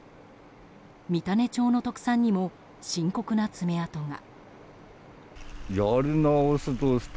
三種町の特産にも深刻な爪痕が。